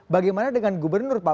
bagaimana dengan gubernur pak